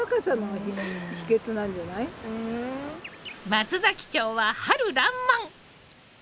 松崎町は春らんまん！